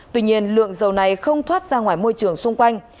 tuy nhiên lượng dầu này không thoát ra ngoài môi trường xung quanh